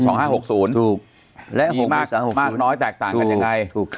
มีมากน้อยแตกต่างกันยังไง